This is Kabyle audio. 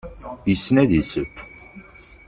Yessen ad yesseww.